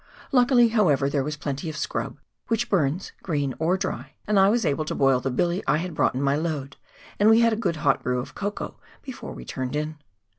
Luckily, however, there was plenty of scrub, which burns green or dry, and I was able to boil the billy I had brought in my load, and we had a good hot brew of cocoa before we turned in.